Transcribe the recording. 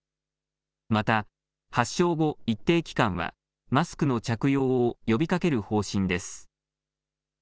また発症後、一定期間はマスクの着用を呼びかける方針です。